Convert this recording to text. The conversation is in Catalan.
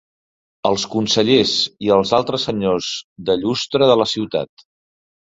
Els consellers i els altres senyors de llustre de la ciutat...